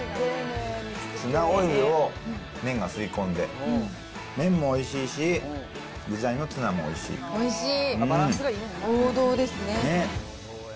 ツナオイルを麺が吸い込んで、麺もおいしいし、おいしい。ね。